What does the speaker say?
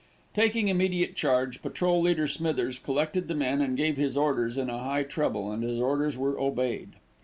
Taking immediate charge, Patrol leader Smithers collected the men and gave his orders in a high treble, and his orders were obeyed.